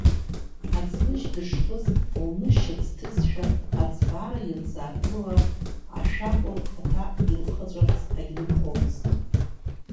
Аӡмыжь дышхыз, лнышьа ӡҭызшәа аӡбаара ианӡааҟәрыла, ашәакәа лхаҭа илхаҵәарц агьлыгхомызт.